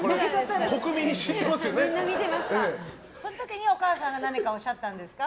その時に、お母さんが何かおっしゃったんですか？